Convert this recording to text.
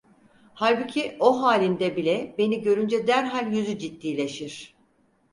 Halbuki o halinde bile beni görünce derhal yüzü ciddileşir.